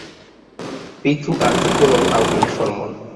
Petu artikolon aŭ informon.